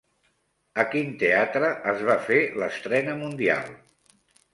A quin teatre es va fer l'estrena mundial?